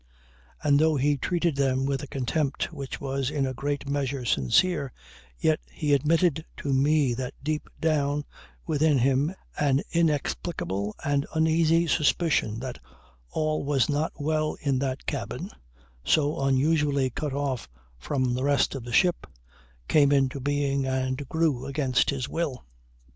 And though he treated them with a contempt which was in a great measure sincere, yet he admitted to me that deep down within him an inexplicable and uneasy suspicion that all was not well in that cabin, so unusually cut off from the rest of the ship, came into being and grew against his will.